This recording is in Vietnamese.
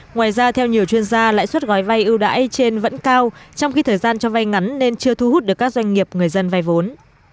ngoài ra theo nhiều chuyên gia lãi suất gói vay ưu đãi trên vẫn cao trong khi thời gian cho vay ngắn nên chưa thu hút được các doanh nghiệp người dân vay vốn